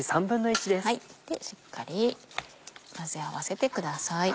しっかり混ぜ合わせてください。